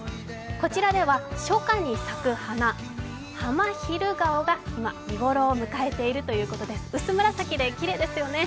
こちらでは初夏に咲く花、ハマヒルガオが今、見頃を迎えているということです、薄紫できれいですよね。